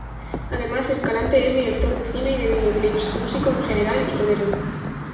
Además, Escalante es director de cine y de videoclips, músico en general y torero.